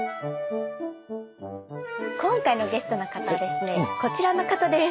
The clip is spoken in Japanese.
今回のゲストの方はですねこちらの方です！